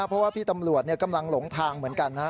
เพราะว่าพี่ตำรวจกำลังหลงทางเหมือนกันนะ